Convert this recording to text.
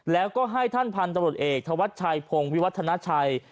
แล้วก็ให้ท่านพันธุ์ตำรวจเอกธวัชชัยพงศ์วิวัฒนาชัย